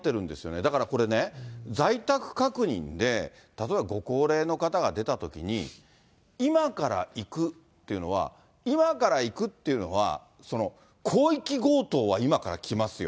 だからこれね、在宅確認で、例えばご高齢の方が出たときに、今から行くっていうのは、今から行くっていうのは、その広域強盗は今から来ますよ。